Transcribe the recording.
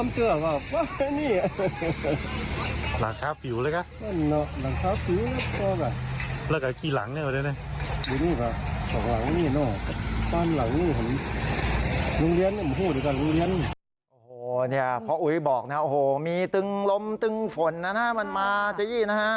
เพราะอุ๊ยบอกนะโอ้โฮมีตึงลมตึงฝนนะมันมาจ๊ะยี่นะฮะ